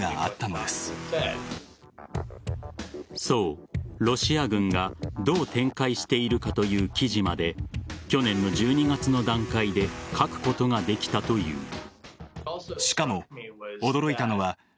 そう、ロシア軍がどう展開しているかという記事まで去年の１２月の段階で書くことができたという。